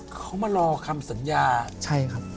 เขามารอคำสัญญา